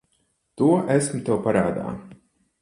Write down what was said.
To esmu tev parādā.